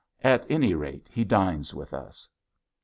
At any rate he dines with us.